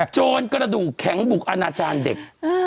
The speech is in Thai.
โจรกระดูกแข็งบุกอนาจารย์เด็ก